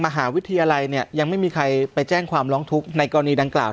มหาวิทยาลัยเนี่ยยังไม่มีใครไปแจ้งความร้องทุกข์ในกรณีดังกล่าว